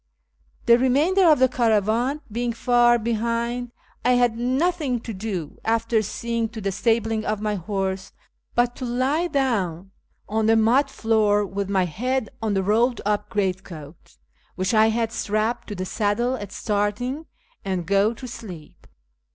The remainder of the caravan being far behind, I had nothing to do, after seeing to the stabling of my horse, but to lie down on the mud floor with my head on the rolled up greatcoat which I had strapped to the saddle at starting, and go to sleep.